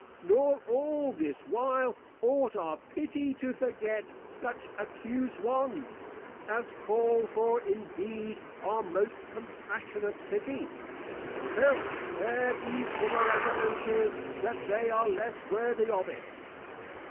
Nor all this while, ought our Pity to forget such Accused ones, as call for indeed our most Compassionate Pity, till there be fuller Evidences that they are less worthy of it.